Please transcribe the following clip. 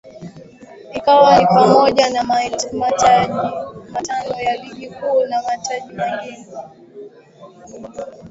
Ikiwa ni pamoja na mataji matano ya ligi kuu na mataji mengine